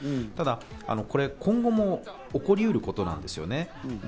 ただ今後も起こりうることなんですよね。